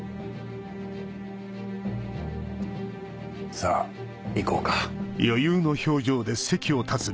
さぁ行こうか。